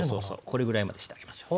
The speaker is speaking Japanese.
これぐらいまでしてあげましょう。